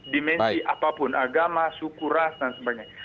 dimensi apapun agama suku ras dan sebagainya